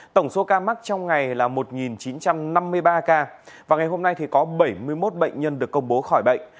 tổng số ca mắc trong ngày là một chín trăm năm mươi ba ca và ngày hôm nay có bảy mươi một bệnh nhân được công bố khỏi bệnh